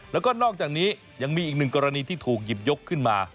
แล้วก็นอกจากนี้ยังมีอีกหนึ่งกรณีที่ถูกหยิบยกขึ้นมา